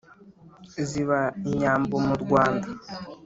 Ziba inyambo mu Rwanda